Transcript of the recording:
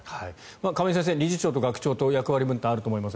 亀井先生、理事長と学長と役割分担あると思います。